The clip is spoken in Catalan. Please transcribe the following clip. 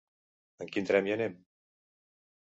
En quin tren hi anem?